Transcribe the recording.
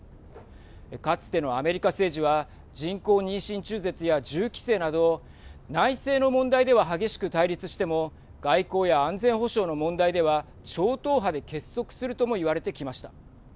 かつてのアメリカ政治は人工妊娠中絶や銃規制など内政の問題では激しく対立しても外交や安全保障の問題では超党派で結束するとも言われてきました。